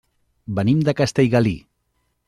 Venim de Castellgalí.